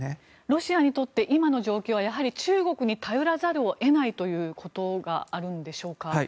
ロシアにとって今の状況は中国に頼らざるを得ないということがあるんでしょうか。